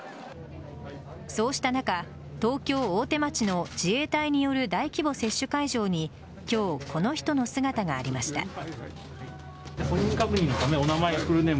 そうした中、東京・大手町の自衛隊による大規模接種会場に今日、この人の姿がありました。